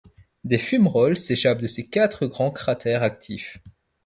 Des fumerolles s'échappent de ses quatre grands cratères actifs.